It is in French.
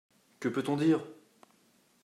Que peut-on dire ?